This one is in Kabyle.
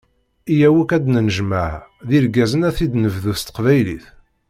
Yyaw akk ad d-nennejmeɛ, d yirgazen ad t-id-nebdu s teqbaylit.